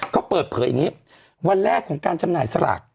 ก็เปิดเผยอย่างนี้วันแรกของการจำหน่ายสลาก